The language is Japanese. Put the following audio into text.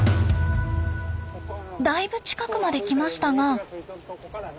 だいぶ近くまで来ましたが。